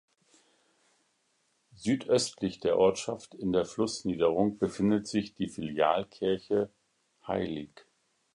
Südöstlich der Ortschaft in der Flussniederung befindet sich die Filialkirche "hl.